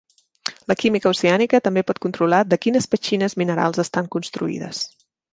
La química oceànica també pot controlar de quines petxines minerals estan construïdes.